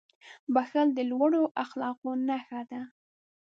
• بښل د لوړو اخلاقو نښه ده.